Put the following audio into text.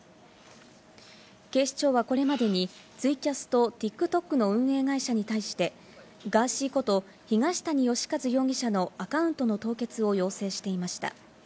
警視庁はこれまでにツイキャスとＴｉｋＴｏｋの運営会社に対してガーシーこと東谷義和容疑者のアカウントの凍結を要請していました。